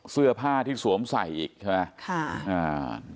เสื้อผ้าที่สวมใส่อีกใช่ไหมค่ะอ่า